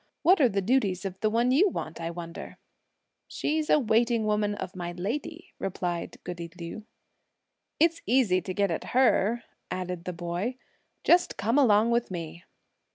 What are the duties of the one you want, I wonder ?" "She's a waiting woman of my lady," replied goody Liu. "It's easy to get at her," added the boy; "just come along with me."